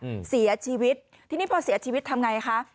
อืมเสียชีวิตทีนี้พอเสียชีวิตทำไงคะ